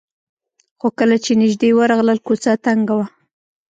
خو کله چې نژدې ورغلل کوڅه تنګه وه.